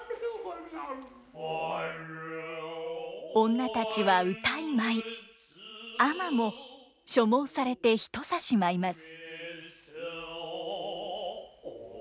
女たちは謡い舞い尼も所望されてひとさし舞います。